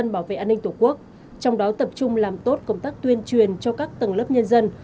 bảo vệ an ninh tổ quốc trong đó tập trung làm tốt công tác tuyên truyền cho các tầng lớp nhân dân